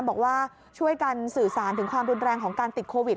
บอกว่าช่วยกันสื่อสารถึงความรุนแรงของการติดโควิด